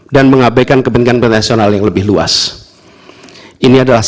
dan mengabaikan kebenkan pernasional yang tersebut